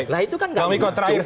nah itu kan nggak muncul pak mikotra